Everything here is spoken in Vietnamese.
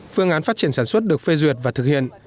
phương án phát triển sản xuất được phê duyệt và thực hiện